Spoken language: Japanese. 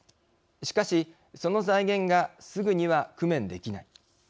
しかし、その財源がすぐには工面できない。